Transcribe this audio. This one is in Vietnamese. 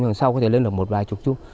nhưng sau có thể lên được một vài chục chung